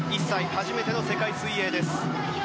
初めての世界水泳です。